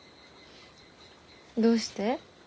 どうして？